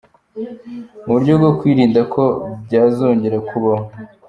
mu buryo bwo kwirinda ko byazongera kubaho